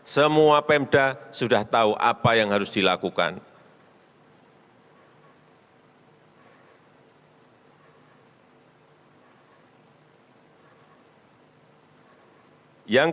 semua pemda sudah tahu apa yang harus dilakukan